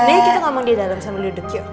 nanti kita ngomong di dalam sama duduk yuk